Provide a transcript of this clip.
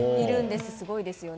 すごいですよね。